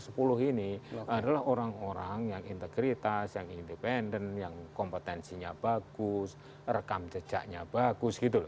sebutkan orang orang yang integritas yang independen yang kompetensinya bagus rekam jejaknya bagus gitu loh